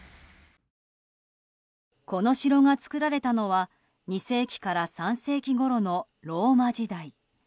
この城が作られたのは２世紀から３世紀ごろのローマ時代。